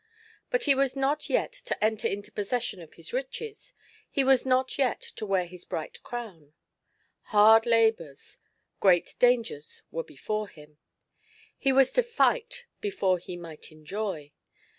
But he was not yet to enter into possession of his riches, he was not yet to wear his bright crown ; hard labours, great dangei s were before him — he was to fight before he might enjoy.